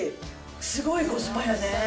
すごいコスパやね。